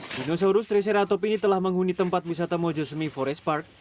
dinosaurus triceratops ini telah menghuni tempat wisata mojo semi forest park